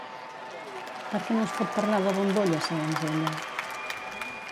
Per què no es pot parlar de bombolla segons ella?